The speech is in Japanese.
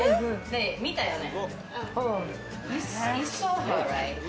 みたよね。